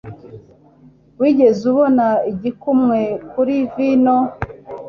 Wigeze ubona igikumwe kuri vino?